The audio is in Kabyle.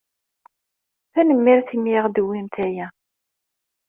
Tanemmirt imi ay aɣ-d-tewwimt aya.